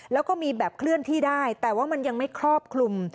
แล้วก็มีแบบเคลื่อนที่ได้แต่ว่ามันยังไม่ครอบคลุม